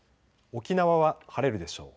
沖縄は晴れるでしょう。